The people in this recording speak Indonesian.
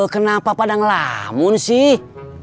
kenapa padang lamun sih